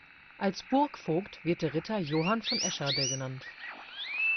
Als Burgvogt wird der Ritter Johann von Escherde genannt.